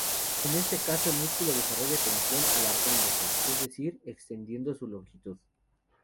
En este caso el músculo desarrolla tensión alargándose, es decir, extendiendo su longitud.